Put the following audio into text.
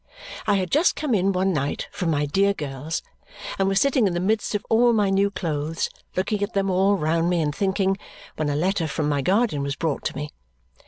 I had just come in one night from my dear girl's and was sitting in the midst of all my new clothes, looking at them all around me and thinking, when a letter from my guardian was brought to me.